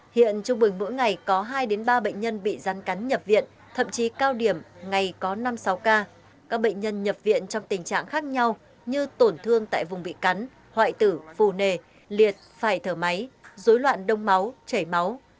hiện trung bình mỗi ngày có hai ba bệnh nhân bị rắn cắn nhập viện thậm chí cao điểm ngày có năm sáu ca các bệnh nhân nhập viện trong tình trạng khác nhau như tổn thương tại vùng bị cắn hoại tử phù nề liệt phải thở máy rối loạn đông máu chảy máu